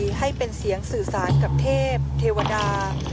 ให้เป็นเสียงสื่อสารกับเทพเทวดา